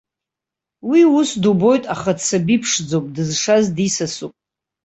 Уи ус дубоит, аха дсаби ԥшӡоуп дызшаз дисасуп!